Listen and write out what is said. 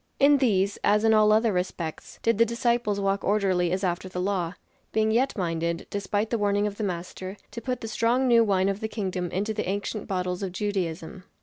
In these, as in all other respects, did the disciples walk orderly as after the law; being yet minded, despite the warning of the Master, to put the strong new wine of the Kingdom into the ancient bottles of Judaism.